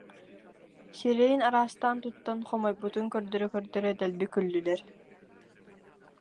сирэйин араастаан туттан хомойбутун көрдөрө-көрдөрө дэлби күллүлэр